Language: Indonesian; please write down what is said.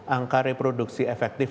angka reproduksi efektif